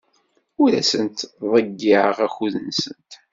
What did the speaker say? Ur asent-ttḍeyyiɛeɣ akud-nsent.